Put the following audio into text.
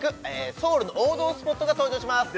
ソウルの王道スポットが登場します